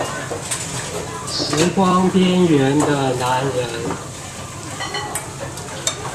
時光邊緣的男人